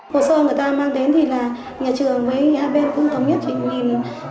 hồ sơ người ta mang đến thì là nhà trường với hai bên cũng thống nhất